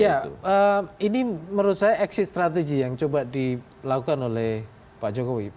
ya ini menurut saya exit strategy yang coba dilakukan oleh pak jokowi